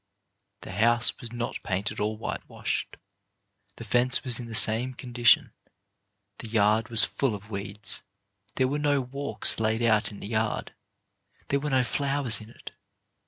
The house was not painted or whitewashed; the fence was in the same con dition; the yard was full of weeds; there were no walks laid out in the yard; there were no flowers in it.